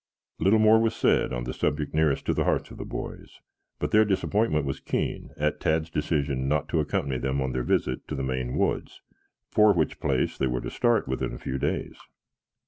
Little more was said on the subject nearest to the hearts of the boys, but their disappointment was keen at Tad's decision not to accompany them on their visit to the Maine Woods, for which place they were to start within a few days.